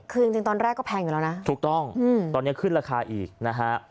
คือจริงตอนแรกก็แพงอยู่แล้วนะถูกต้องตอนนี้ขึ้นราคาอีกนะฮะ